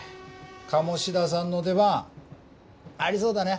鴨志田さんの出番ありそうだね。